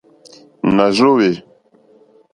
Nà rzóhwè.